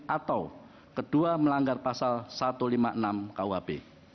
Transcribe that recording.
atau kedua melanggar pasal satu ratus lima puluh enam kuhp